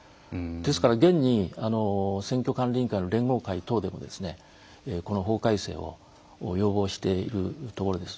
ですから現に選挙管理委員会の連合会等でもこの法改正を要望しているところです。